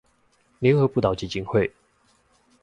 聯合輔導基金會